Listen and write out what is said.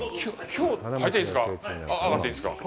入っていいですか。